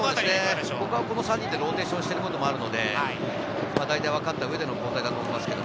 この３人でローテーションしてることもあるので、大体わかった上での交代だと思います。